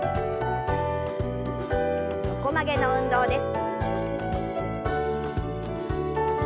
横曲げの運動です。